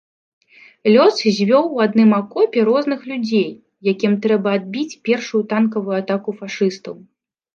Лёс звёў у адным акопе розных людзей, якім трэба адбіць першую танкавую атаку фашыстаў.